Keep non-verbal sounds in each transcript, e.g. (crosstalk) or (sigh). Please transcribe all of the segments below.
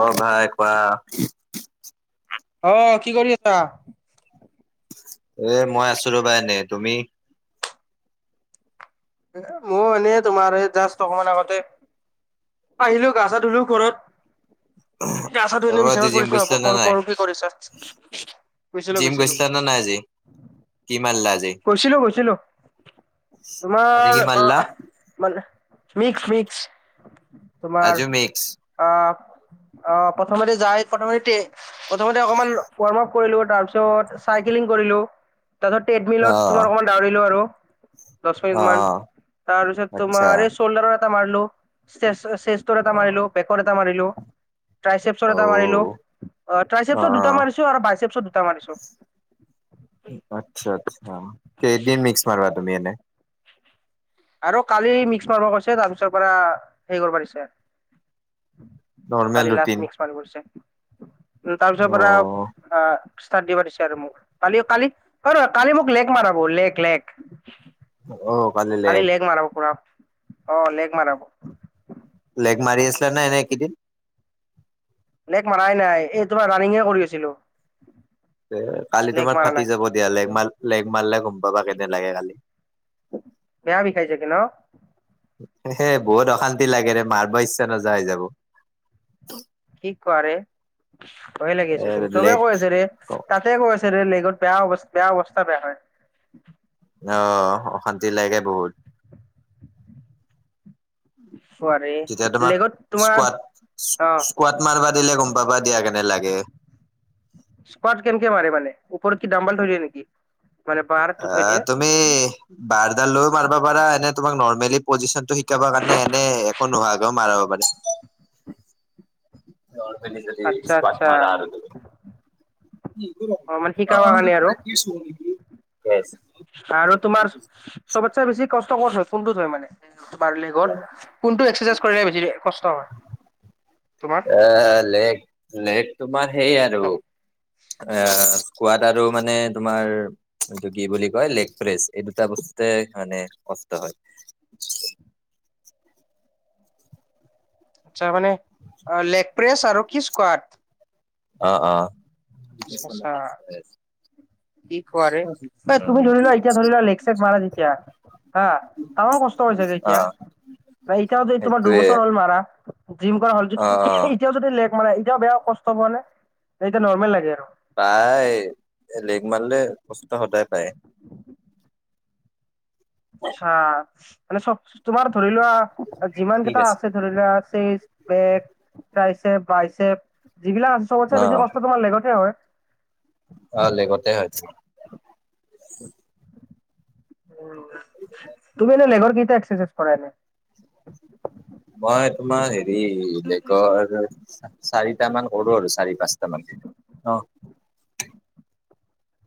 অঁ ভাই কোৱা? (inaudible) অঁ! কি কৰি আছা? (unintelligible) এ মই আছো ৰ'বা এনেই। তুমি? (unintelligible) এ মই এনেই তোমাৰ এই জাষ্ট অকমান আগতে (unintelligible) আহিলো গা চা ধুলো ঘৰত। (unintelligible) (unintelligible) গা ছা ধুই অ এনেই আজি বিচনাত জিম পৰিছো ভাবো গৈছিলা নে কল নাই কৰো। কি কৰিছা? (unintelligible) জিম গৈছিলো-গৈছিলো (inaudible) গৈছিলা নে নাই আজি কি মাৰিলা আজি গৈছিলো গৈছিলো। আজি তোমাৰ কি অ মাৰিলা মানে মিক্স-মিক্স। (unintelligible) তোমাৰ আজিও মিক্স আহ অ! প্ৰথমতে যায় প্ৰথমতে (unintelligible) প্ৰথমতে অকমান ৱাৰ্ম আপ কৰিলো তাৰপিছত চাইকেলিং কৰিলো। (inaudible) তাৰপিছত অ ট্ৰেডমিলত তোমাৰ অকণমান দৌৰিলো আৰু। দহ অ অ মিনিট মান তাৰপিছত আচ্ছা তোমাৰ চোল্ডাৰৰো এটা মাৰিলো। (inaudible) (inaudible) অ এটা মাৰিলো, বেকৰ এটা মাৰিলো, ট্ৰাইপছৰ অ এটা মাৰিলো। অ! অ টাইছেপছৰ দুটা মাৰিছো আৰু বাইছেপছৰ দুটা মাৰিছো। (inaudible) আচ্ছা-আচ্ছা! কেই দিন মিক্স মাৰি তুমি এনেই? (unintelligible) আৰু কালি মিক্স মাৰিব কৈছে তাৰপিছৰ পৰা হে কৰিব পাৰিছে (unintelligible) নৰ্মেল কালি ৰুটিন লাষ্ট মিক্স মাৰিব দিছে। তাৰ পিছৰ অ পৰা (unintelligible) অ! ষ্টাড দিব দিছে আৰু মোক। (unintelligible) কালি-কালি কৰ কালি মোক লেক মাৰাব লেক-লেক। (unintelligible) অ! পালে (inaudible) কালি লেগ মৰাব পুৰা। অ লেগ মৰাব। (inaudible) লেগ মাৰি আছিলা নে নাই এইকেইদিন? (inaudible) লেগ মাৰাই নাই এই তোমাৰ ৰানিঙে কৰি আছিলো। (inaudible) কালি লেগ তোমাৰ মাৰা ফাটি নাই যাব দিয়া লেগ (inaudible) লেগ মাৰিলে গম পাবা কেনে লাগে কালি। বেয়া বিষাই চাগে ন? (unintelligible) (unintelligible) সেই বহুত অশান্তি লাগে ৰে মাৰিব ইচ্ছা নোযোৱা হৈ যাব। কি কোৱা ৰে? ভয় এ লাগিছে কিন্ত চবে কৈ লেগ আছে ৰে তাত (inaudible) চবে কৈ আছে লেগত বেয়া অৱ বেয়া অৱস্থা বেয়া হয়। (inaudible) অ! অশান্তি লাগে বহুত। (inaudible) (unintelligible) তেতিয়া তোমাক লেগত তোমাৰ অ স্কৱাড-স্কৱাড মাৰিব দিলে গম পাব দিয়া কেনে লাগে? (unintelligible) স্কৱাড কেনেকে মাৰে মানে ওপৰত কি ডাম্বাল থৈ দিয়ে নেকি? (inaudible) বাৰটো অ! থৈ দিয়ে তুমি (inaudible) বাৰডাল লৈয়ও মাৰিব পাৰা এনেই তোমাক নৰ্মেলি পজিশনটো শিকাব কাৰণে এনেই একো নোহোৱাকৈও মাৰিব পাৰে। (inaudible) (unintelligible) তুমি যদি আচ্ছা স্কৱাড আচ্ছা মাৰা আৰু (inaudible) অ মানে (inaudible) শিকাবা অ-অ! (inaudible) কাৰণে আৰু আৰু তোমাৰ চবতচে বেছি কষ্টকৰ হয় কোনটোত হয় মানে তোমাৰ লেগত (inaudible) কোনটো এক্সাৰচাইজ কৰিলে বেছি কষ্ট হয়? (inaudible) এ লেক-লেক তোমাৰ সেই আৰু (inaudible) এ কোৱাত আৰু মানে তোমাৰ (inaudible) এইটো কি বুলি কয় লেগ প্ৰেচ এই দুটা বস্তুতে মানে কষ্ট হয়। (inaudible) (unintelligible) (unintelligible) তাৰ মানে লেগ প্ৰেচ আৰু কি স্কৱাড (inaudible) অ-অ! আচ্ছা (inaudible) কি কোৱা ৰে? তুমি ধৰি লোৱা এতিয়া ধৰি লোৱা লেক-চেক মাৰা যেতিয়া (unintelligible) হা, তাৰো কষ্ট হৈ চাগে এতিয়া, অ', এতিয়াও যদি তোমাৰ সেইটোৱে দুবছৰ হ'ল মাৰা। জিম কৰা হ'ল যদি, অ', অ', এতিয়াও যদি লেগ মাৰা, এতিয়াও বেয়া কষ্ট পোৱা নে, এতিয়া নৰ্মেল লাগে আৰু। প্ৰায়, লেগ মাৰিলে কষ্ট সদায় পায়। আচ্ছা, মানে চব, তোমাৰ ধৰি লোৱা যিমান কেইটা আছে ত ধৰি লোৱা চেষ্ট, বেগ, ট্ৰাইচেপ বাইচপ, যিবিলাক আছে চবতচে অ', বেছি কষ্ট তোমাৰ লেগতহে হয়। অ', লেগতেই হয়। উম, তুমি এনে লেগৰ কেইটা এক্সাৰচাইজ কৰা এনে? মই তোমাৰ হেৰি, লেগৰ চাৰিটামান কৰো আৰু, চাৰি পাঁচটা মান, অ'।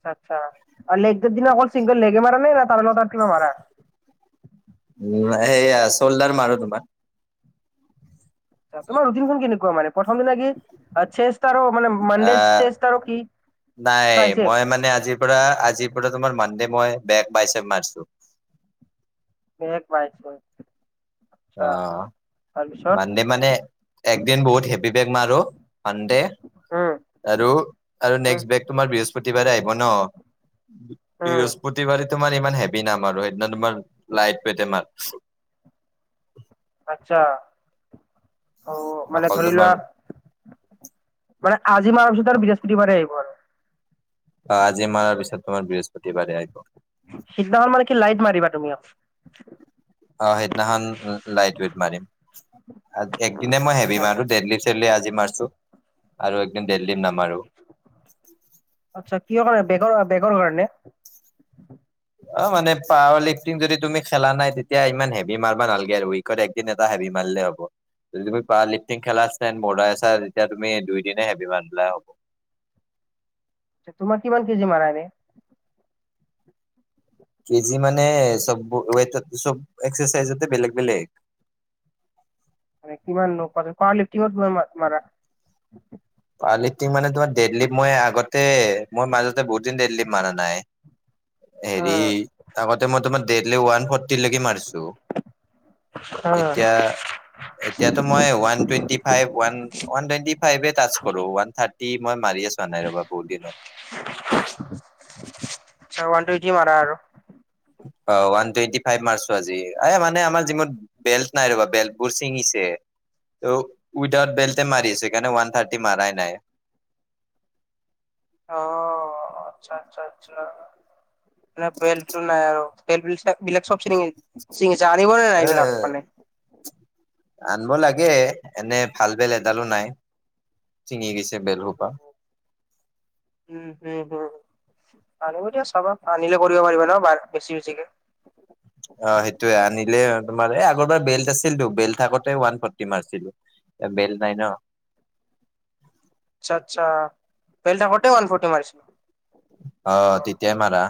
আচ্ছা, আৰু লেগ দ দি অকল চিংগেল লেগে মাৰা নে, তাৰে লগতে কিবা মাৰা। উম, সেয়া চল্ডাৰ মাৰো তোমাৰ। তোমাৰ ৰুটিনখন কেনেকুৱা মানে প্ৰথম দিনত কি, চেট আৰু মানে মানডে আহ, চেষ্ট আৰু কি নাই, ট্ৰাইছেপ মই মানে আজি পৰা আজিৰ পৰা তোমাৰ মানডে মই বেগ বাইছেপ মাৰিছো। (unintelligible) আচ্ছা অ', তাৰপিছত মানডে মানে, একদিন বহুত হেভি বেগ, মাৰো মানডে। উম আৰু, আৰু উম নেক্সট বেগ তোমাৰ বৃহস্পতিবাৰে আহিব ন। উম বৃহস্পতিবাৰে তোমাৰ ইমান হেভি নামাৰো, সেইদিনা তোমাৰ লাইট ৱেটয়ে মাৰু। (inaudible) আচ্ছা, অ' মানে অকল ধৰি তোমাৰ লোৱা মানে আজি মানৰ ভিতৰত বৃহস্পতিাৰে আহিব আৰু। অ', আজি মাৰাৰ পিছত তোমাৰ বৃহস্পতিবাৰে আহিব। সিদিনাখন মানে কি লাইট মাৰিবা তুমি? অ', সেইদিনাখন লাইট ৱেট মাৰিম, একদিনে মই হেভি আচ্ছা মাৰু দেইলি আজি মাৰছো, আৰু একদিন দিল্লি নামাৰো। আচ্ছা, কিয় কাৰণে বেগ বেগৰ কাৰণে। অ', মানে পাৱাৰ লিফটিং যদি তুমি খেলা নাই, তেতিয়া ইমান হেভি মাৰবা নালগে, উ য়িওকত একদিন এটা হেভি মাৰিলে হ'ব। যদি তুমি পাৱাৰ লিফটিং খেলা চেন বৰ্ডাৰাই চাই, তেতিয়া তুমি দুই দিনে হেভি মাৰিলে হ'ব। তোমাৰ কিমান কেজি মাৰা এনে? কেজি মানে চব ৱেটত একচেচাইজতে বেলেগ বেলেগ। মানে কিমাননো পা পাৱাৰলিফটিং কিমান কৈ মাৰা। পাৱাৰলিফটিং মানে তোমাৰ দেইলী মই আগতে মোৰ মাজতে বহুত দিন দেতলিফট মাৰা নাই। উম হেৰি, আগতে মই তোমাৰ দেইলি ওৱান ফৰ্টি লৈকে মাৰিছো। হা হা। এতিয়া এতিয়াতো মই one twenty five, one one twenty ফাইভত আছো। কৰো, ওৱান থাৰ্টি মই মাৰিয়ে চোৱা নাই ৰবা, বহুত দিন হ'ল। (unintelligible) আচ্ছা, ওৱান টুৱেন্টি মাৰা আৰু। অ', ওৱান টুৱেণ্টি ফাইভ মাৰ্চো আজি, এ মানে আমাৰ যিমত বেল্ট নাই ৰবা, বেল্ট বোৰ ছিঙিছে। ত, উইদআউট বেলটে মাৰি আছে, সেইকাৰণে ৱান থাৰটি মাৰই নাই। অ', আচ্ছা আচ্ছা আচ্ছা। নে বেলটো নাই আৰু, (unintelligible) তে থাকিলে, চব চিঙ চিঙিছে আনিব নে নাই এ এইবিলাক মানে। আনিব লাগে, এনে ভাল বেলট এডালো নাই, ছিঙি গৈছে বেলট সোপা। উম হুম হুম। আনিব দিয়া চাবা আনিলে কৰিব পাৰিবা ন বাত বেছি বেছিকে। অ সেইটোয়ে আনিলে তোমাৰ এই আগৰবাৰ বেল্ট আছিল টো বেল্ট থাকোতে ওৱান ফৰ্টি মাৰিছিল, বেল নাই ন। আচ্ছা আচ্ছা বেল্ট থাকোতে ওৱান ফৰ্তি মাৰিছ? অ তেতিয়া মাৰা।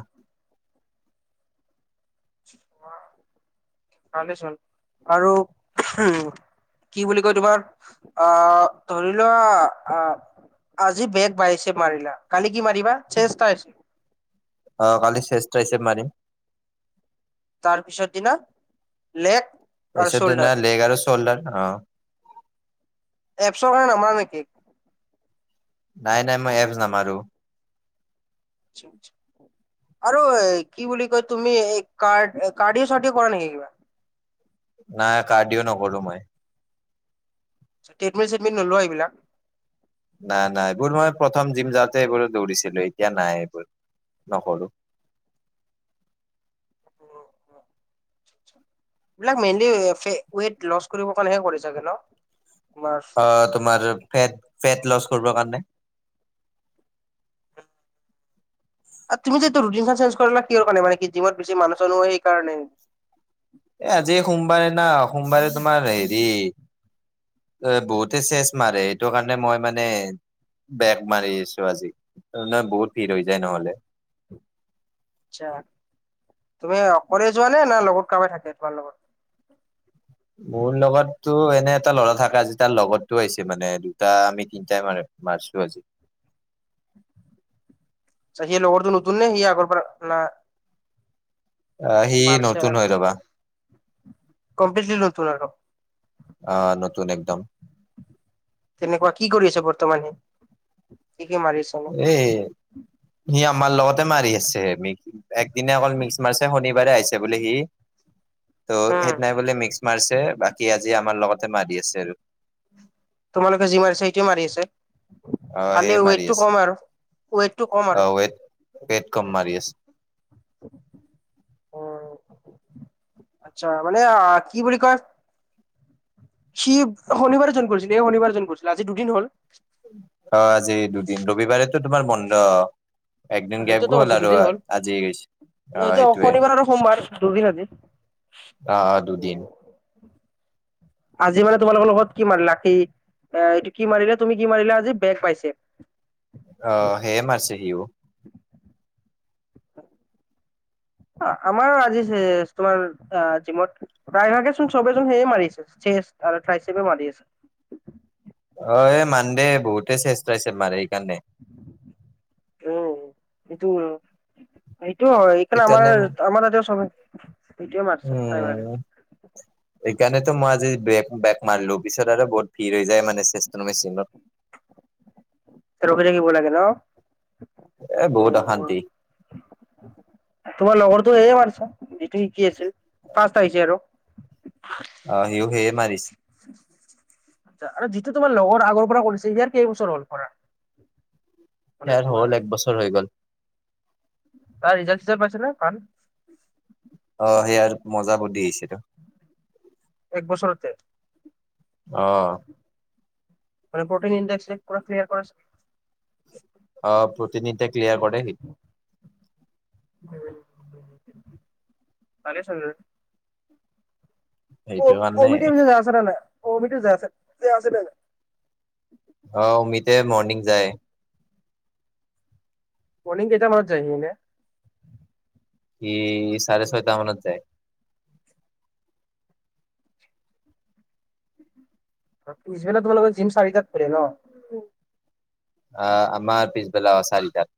ভালেই চুন আৰু উ। কি বুলি কয় তোমাৰ আহ ধৰি লোৱা আহ, আজি বেক বাইচেপ মাৰিলা, কালি কি মাৰিবা চেষ্ট থাইস্ত, অ কালি চেষ্ট ত্ৰাইচিপ মাৰিম। তাৰ পিছৰ দিনা লেগ, আৰু পাছৰ দিনা চল্ডাৰ লেগ আৰু চোল্ডাৰ অ, এপছৰ কাৰণে নামাৰা নেকি? নাই নাই মই এপছ নামাৰো। আচ্ছা আচ্ছা। আৰু এ কি বুলি কয় তুমি এই কাড কাৰ্ডিও চাৰ্ডিও কৰা নেকি কিবা? নাই কাৰ্ডিও নকৰো মই। ট্ৰেডমিল চেডমিল নলোৱা এইবিলাক, নাই নাই এইবোৰ মই প্ৰথম জিম যাওঁতে এইবোৰত দৌৰিছিলো এতিয়া নাই এইবোৰ নকৰো। উম অ, এই বিলাক মেইনলি ফেট ৱেইট লচ কৰিবৰ কাৰণে হে কৰে চাগে ন? তোমাৰ অ তোমাৰ ফেট ফেট লচ কৰিবৰ কাৰণে, আৰু তুমি যে এইটো ৰুটিনখন চেঞ্জ কৰিলা কিহৰ কাৰণে মানে কি জিমত বেছি মানুহ চানুহ হয় সেইকাৰণে, এ আজি এ সোমবাৰে না সোমবাৰে তোমাৰ হেৰি, এ বহুতে চেচ মাৰে হেইটো কাৰণে মই মানে, বেগ মাৰি আছো আজি জাননা বহুত ভিৰ হৈ যায় নহলে। আচ্ছা তুমি অকলে যোৱা নে না লগত কাৰবাই থাকে তোমাৰ লগত, মোৰ লগতো এনে এটা ল'ৰা থাকে আজি তাৰ লগৰটো আহিছে মানে দুটা আমিতি, দুটাই মাৰো, মাৰছো আজি। আছা সেই লগটো নতুন নে হি আগৰ পৰা না, আ হি মাৰছে নতুন হই ৰবা, কম্প্লিটলি নতুন আৰু, অ নতুন একদম। তেনেকুৱা কি কৰি আছে বৰ্তমান‌ হি কি কি মাৰিছে? এ হি আমাৰ লগতে মাৰি আছে মিক, একদিনা অকল মিক্স মাৰছে শনিবাৰে আহিছে বুলে হি, ত' উম সেইদিনাাই বোলে মিক্স, মাৰছে বাকী আজি আমাৰ লগতে মাৰি আচিল। তোমালোকে যি মাৰিছা সেইটোৱে মাৰি আছে অ সেয়ে খালি মাৰি ওৱেটটো আছে কম আৰু ওৱেটটো কম। অ ওৱেট পেট কম মাৰি আছে। অ আচ্ছা মানে আ কি বুলি কয়, সি শনিবাৰে জইন কৰিছিলে এই শনিবাৰে জইন কৰিছিলে আজি দুদিন হ'ল, অ আজি দুদিন ৰবিবাৰেতো তোমাৰ বন্ধ, একদিন গেপ গ'ল আৰু আজি গৈছি, না এইটো শনিবাৰ আৰু সোমবাৰ দুদিন আজি, অ অ দুদিন। উম। আজি মানে তোমালোকৰ লগত কি মাৰিলাক সি এ এইটো কি মাৰিলে তুমি কি মাৰিলা আজি বেগ পাইছে। অ হেয়ে মাৰছে সিও। আ আমাৰ আজি চেচ তোমাৰ আ জিমত। প্ৰায় ভাগে চোন চবেইজন সেই মাৰি আছে আৰু চেষ্ট আৰু থ্ৰাইচেপে মাৰি আছে। অ মান দে বহুতে চেষ্ট থ্ৰাইচেপ আছে মাৰে সেইকাৰণে। উম হি তু। সেইটো হয় এইফালে সেইকাৰণে আমাৰ আমাৰ ইয়াতে চবাই এইটোৱে মাৰছে প্ৰাই ভাগে। উম সেইকাৰণেতো মই আজি বে বেক মাৰলো পিছত আৰু বহুত ভিৰ হৈ যায় মানে চেষ্ট মেচিনত। তাতে ৰখি থাকিব লাগে এ ন বহুত উম উম। অশান্তি তোমাৰ লগৰটো হে মাৰছা যিতু সিকি আছিল ফাষ্ট আহিছে আৰু। অ হিউ সেয়ে মাৰিছে। আচ্ছা আৰু যিটো তোমাৰ লগৰ আগৰ পৰা কৰিছে ইয়াৰ কেইবছৰ হ'ল কৰা। (inaudible) ইয়াৰ তোমাৰ হ'ল এক বছৰ হৈ গ'ল। তাৰ ৰিজাল্ট চিজাল্ট পাইছেনে তাৰ। অ সিয়াৰ মজা বডি আহিছিলে। এক বছৰতে। অ। মানে প্ৰটিন ইণ্ডেক্স পুৰা ক্লিয়াৰ কৰিছে। অ প্ৰটিন কিতা ক্লিয়াৰ কৰে। উম পালে চাগে। ক সেইটো কাৰণে কমিতি চমিতি আছে নে নাই কমিতি যে আছে নাই। অ অমিতে মৰ্নিং যায়। মনিং কেইটামানত যায় সিহঁতে। ই চাৰে ছৈটা মানত যায়। পিছবেলা তোমালোকৰ জিম চাৰিটাত খোলে ন। অহ আমাৰ পিছ বেলা অ চাৰিটাত।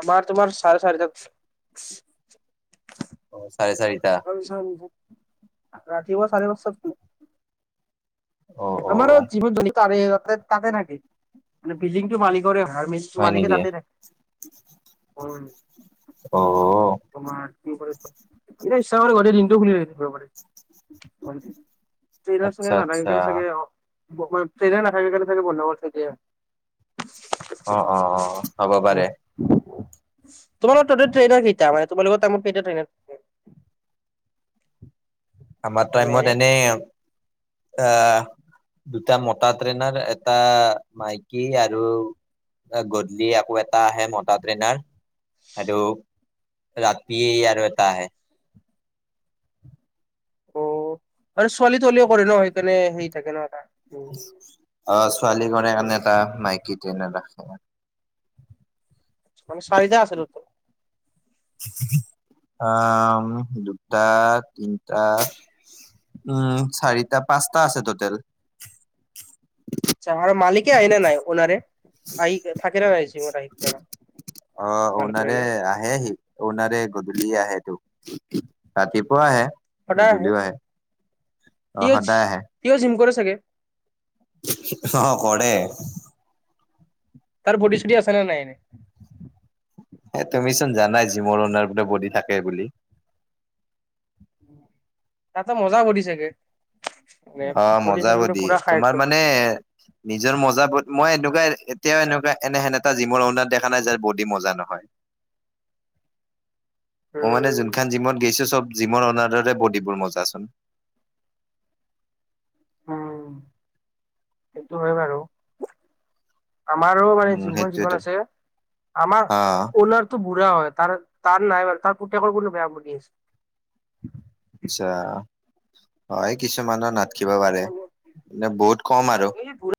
আমাৰ তোমাৰ চাৰে চাৰিটাত। অ চাৰে চাৰিটা। উম ৰাতি পুৱা চাৰে দছটাত খোলে। অ অ আমাৰো জিমত তাতে থাকে মানে বিল্ডিংটো মালিকৰে হয় আৰু মেচিন। হয় মালিকে নেকি তাতে থাকে উম। অ অ। তোমাৰ কি কৰিছ এতিয়া ইচ্ছা কৰিলে গোটেই দিনটোও খুলি ৰাখিব পাৰে। অ। ট্ৰেইনাৰ চেনাৰ আচ্ছা নাথাকে কাৰণে আচ্ছা চাগে অ প্ৰপাৰ ট্ৰেইনাৰ নাথাকে কাৰণে চাগে বন্ধ কৰি থৈ দিয়ে। অ অ অ হ'ব উ। পাৰে তোমালোকৰ তাতে ট্ৰেইনাৰ কেইটা মানে তোমালোকৰ টাইমত কেইটা ট্ৰেইনাৰ থাকে। (inaudible) আমাৰ মানে এনে টাইমত এনেই আহ। দুটা মটা ট্ৰেইনাৰ এটা মাইকী আৰু। গধূলি আকৌ এটা আহে মটা ট্ৰেইনাৰ সেইটো। ৰাতি আৰু এটা আহে। অ আৰু ছোৱালী তোৱালিও কৰে ন সেইকাৰণে হেৰি থাকে ন টা। অ, ছোৱালী কণে কাৰণে টা মাইকী ট্ৰেইনাৰ ৰাখে। মানে চাৰিটা আছে তাতে? (unintelligible) দুটা, তিনটা, উম। চাৰিটা, পাঁচটা আছে টটেল। মালিকে আহিলে নাই অনাৰে? আহি থাকে নে নাই জিমত অ আহি (unintelligible) অনাৰে কৰে নে আহে সি। অওনাৰে গধূলি আহেটো। ৰাতিপুৱাও আহে, গধূলিও আহে। অ সিওজ সদায় আহে সিও জিম কৰে চাগে? অ, কৰে়। তাৰ বডি চডি আছে নে নাই এনে? এ তুমি চোন জানাই জিমৰ অনাৰ বডি থাকে বুলি। তাৰট মজা বডি চাগে? মানে অ, প্ৰটিন মজা চটিনটো বডি। পুৰা খাই তোমাৰ একদম মানে নিজৰ মজা বড মই এনেকুৱা এতিয়াও এনেকুৱা এনেহেন এটা জিমৰ অনাৰ দেখা নাই যাৰ বডি মজা নহয়। (inaudible) মই মানে উম, যোনখান জিমত গৈছো, চব জিমৰ অনাৰৰে বডিবোৰ মজাচোন। উম, সেইটো হয় বাৰু। আমাৰো মানে উম যোনখন যিখন সেইটোয়েতো আছে। আমাৰ অ অওনাৰ টো বুঢা হয়। তাৰ নাই বাৰু তাৰ পুতেকৰ কিন্তু বেয়া বডি আছে। আচ্ছা। হয় কিছুমানৰ নাথকিব পাৰে, মানে নে বহুত কম আৰু (unintelligible)